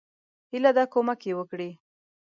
هیله ده کومک یی وکړي.